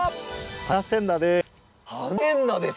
ハナセンナです。